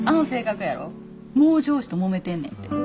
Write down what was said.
もう上司ともめてんねんて。